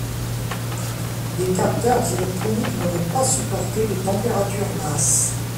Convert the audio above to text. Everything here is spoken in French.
Des capteurs électroniques n'auraient pas supporté les températures basses.